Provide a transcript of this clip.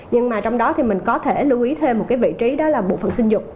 nhưng mà trong đó thì mình có thể lưu ý thêm một cái vị trí đó là bộ phận sinh dục